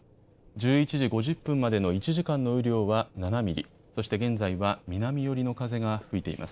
１１時５０分までの１時間の雨量は７ミリ、そして現在は南寄りの風が吹いています。